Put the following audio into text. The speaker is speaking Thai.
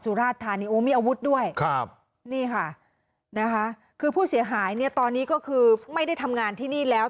ราชธานีโอ้มีอาวุธด้วยครับนี่ค่ะนะคะคือผู้เสียหายเนี่ยตอนนี้ก็คือไม่ได้ทำงานที่นี่แล้ว